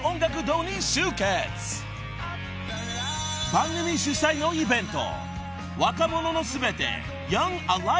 ［番組主催のイベント］